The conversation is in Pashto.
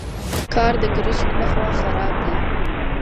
کار د ګرشک لخوا خراب دی.